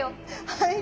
はい。